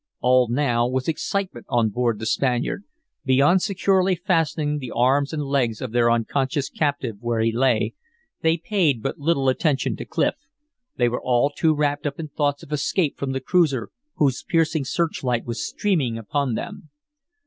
All now was excitement on board the Spaniard. Beyond securely fastening the arms and legs of their unconscious captive where he lay, they paid but little attention to Clif. They were all too wrapped up in thoughts of escape from the cruiser whose piercing searchlight was streaming upon them.